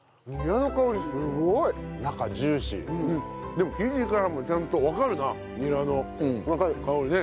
でも生地からもちゃんとわかるなニラの香りね。